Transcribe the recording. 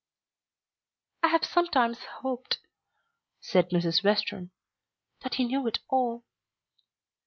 "I have sometimes hoped," said Mrs. Western, "that he knew it all."